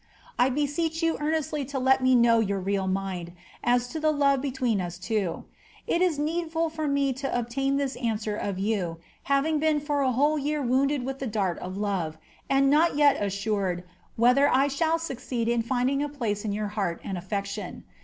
I beseech yon earnestly to let me know your real mind, as to the love between ns twa It is needful for me V obtain this answer of you, having been for a whole year wounded with the dait of lovo, and not yet assured, whether I shall succeed in finding a plaoe in foer heart and affection.